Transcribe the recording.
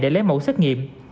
để lấy mẫu xét nghiệm